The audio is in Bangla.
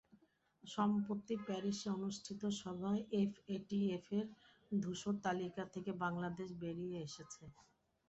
সম্প্রতি প্যারিসে অনুষ্ঠিত সভায় এফএটিএফের ধূসর তালিকা থেকে বাংলাদেশ বেরিয়ে এসেছে।